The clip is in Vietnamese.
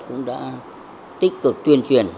cũng đã tích cực tuyên truyền